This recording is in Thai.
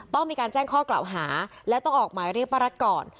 ต้องมีการแจ้งข้อกล่าวหาและต้องออกหมายเรียกป้ารัฐก่อน